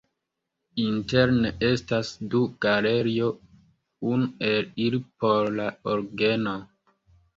Interne estas du galerioj, unu el ili por la orgeno.